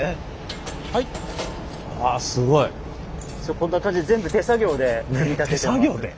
こんな感じで全部手作業で組み立ててます。